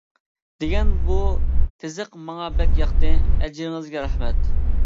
دېگەن بۇ تىزىق ماڭا بەك ياقتى. ئەجرىڭىزگە رەھمەت.